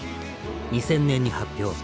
２０００年に発表。